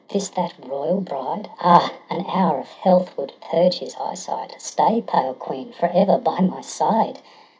this that royal bride? Ah, an hour of health would purge his eyesight ! Stay, pale queen ! for ever by my side.'